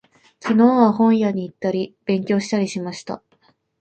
昨日は、本屋に行ったり、勉強したりしました。